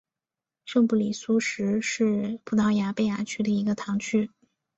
圣布里苏什是葡萄牙贝雅区的一个堂区。